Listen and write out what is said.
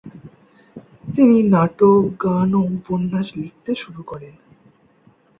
তিনি নাটক, গান ও উপন্যাস লিখতে শুরু করেন।